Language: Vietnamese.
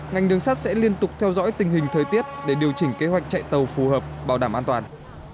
ngành đường sắt sẽ liên tục theo dõi tình hình thời tiết để điều chỉnh kế hoạch chạy tàu phù hợp bảo đảm an toàn